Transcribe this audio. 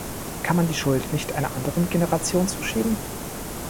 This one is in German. Kann man die Schuld nicht einer anderen Generation zuschieben?